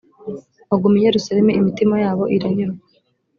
baguma i yerusalemu imitima yabo iranyurwa